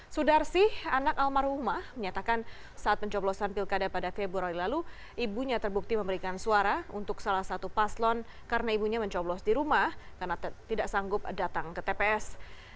sudarsih anak almarhumah menyatakan saat pencoblosan pilkada pada februari lalu ibunya terbukti memberikan suara untuk salah satu paslon karena ibunya mencoblos di rumah karena tidak sanggup datang ke tps